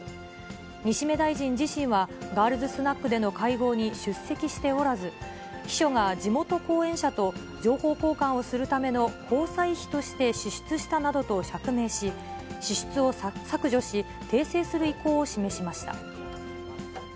西銘大臣自身は、ガールズスナックでの会合に出席しておらず、秘書が地元後援者と情報交換をするための交際費として支出したなどと釈明し、支出を削除し、訂正する意向を示しました。